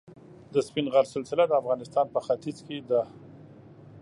د سپین غر سلسله د افغانستان په ختیځ کې ده.